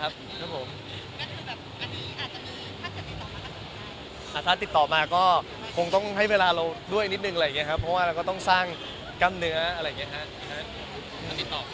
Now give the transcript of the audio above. บ้างอะไรอย่างเงี้ยครับขึ้นในแบบอยากจะมีสักเล็บหรืออะไรไหม